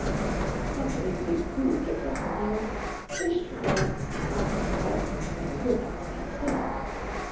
But the BIG, BIG COO kicked up her heels, swished her tail, tossed her head, and would not stand still.